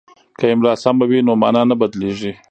که املا سمه وي نو مانا نه بدلیږي.